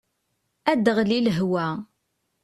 Ad aɣli lehwa.